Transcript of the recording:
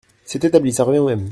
C’est établi, ça revient au même.